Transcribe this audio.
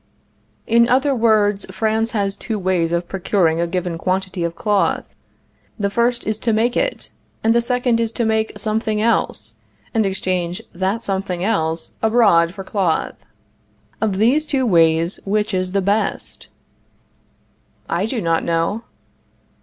In other words, France has two ways of procuring a given quantity of cloth. The first is to make it, and the second is to make something else, and exchange that something else abroad for cloth. Of these two ways, which is the best? I do not know.